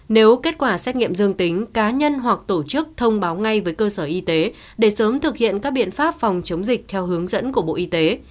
nếu kết quả xét nghiệm dương tính cá nhân hoặc tổ chức thông báo ngay với cơ sở y tế để sớm thực hiện các biện pháp phòng chống dịch theo hướng dẫn của bộ y tế